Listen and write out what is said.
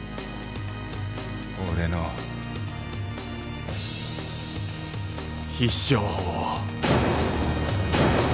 俺の必勝法を。